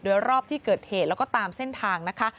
โดยรอบที่เกิดเหตุแล้วก็ตามเส้นทางนะคะ